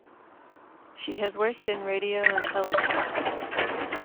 She has worked in radio and television.